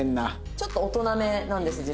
ちょっと大人めなんです実は。